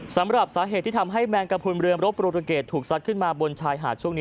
สำหรับสาเหตุที่ทำให้แมงกระพุนเรืองรบโปรตูเกตถูกซัดขึ้นมาบนชายหาดช่วงนี้